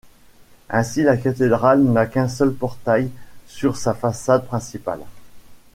Ainsi la cathédrale n'a qu'un seul portail sur sa façade principale.